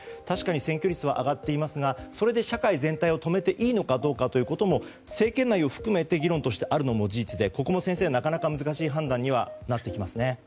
確かに占拠率は上がっていますがそれで社会全体を止めていいのかどうかも政権内を含めて議論としてあるのも事実でここも先生、なかなか難しい判断にはなってきますね。